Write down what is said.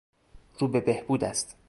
رو به بهبود است.